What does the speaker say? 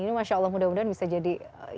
ini masya allah mudah mudahan bisa jadi